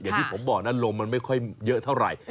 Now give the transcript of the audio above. อย่างที่ผมบอกนะลมมันไม่ค่อยเยอะเท่าไหร่